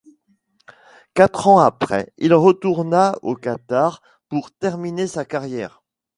Quatre ans après, il retourna au Qatar pour terminer sa carrière.